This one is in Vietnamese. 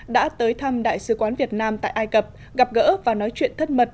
đã tới thăm đại sứ quán việt nam tại ai cập gặp gỡ và nói chuyện thất mật